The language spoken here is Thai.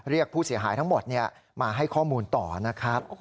เรียกผู้เสียหายทั้งหมดมาให้ข้อมูลต่อนะครับ